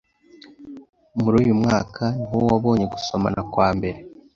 Muri uyu mwaka niho wabonye gusomana kwambere.